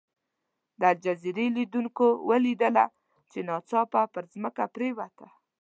د الجزیرې لیدونکو ولیدله چې ناڅاپه پر ځمکه پرېوته.